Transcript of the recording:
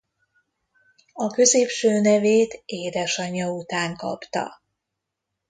A középső nevét édesanyja után kapta.